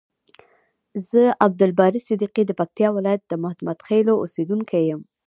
ز عبدالباری صدیقی د پکتیکا ولایت د محمدخیلو اوسیدونکی یم.